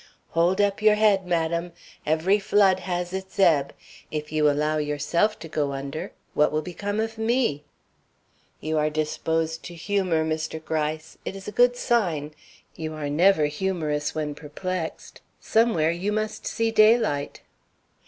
"Hold up your head, madam. Every flood has its ebb. If you allow yourself to go under, what will become of me?" "You are disposed to humor, Mr. Gryce. It is a good sign. You are never humorous when perplexed. Somewhere you must see daylight."